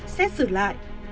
xét xử lại